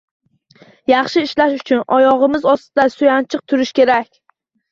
Yaxshi ishlash uchun oyog’imiz ostida suyanchiq turishi kerak.